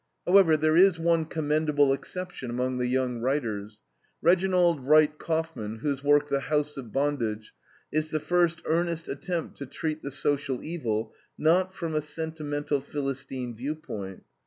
However, there is one commendable exception among the young writers: Reginald Wright Kauffman, whose work, THE HOUSE OF BONDAGE, is the first earnest attempt to treat the social evil, not from a sentimental Philistine viewpoint.